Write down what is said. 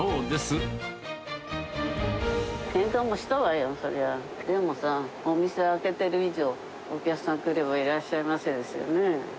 でもさ、お店開けてる以上、お客さん来れば、いらっしゃいませですよね。